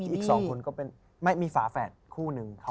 อีก๒คนก็เป็นมีฝาแฟนคู่นึง